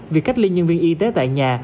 việc cách ly nhân viên y tế tại nhà